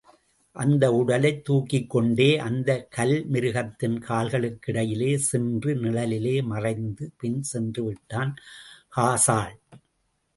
அந்த உடலைத் தூக்கிக்கொண்டே, அந்தக் கல் மிருகத்தின் கால்களுக்கிடையிலே சென்று நிழலிலே மறைந்து பின் சென்றுவிட்டான் ஹாஸாள்!